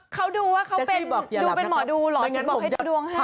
เขาดูว่าเขาเป็นหมอดูหรออยู่บอกให้ดูดวงให้นะครับแต่ช่วยบอกอย่าหลับนะครับ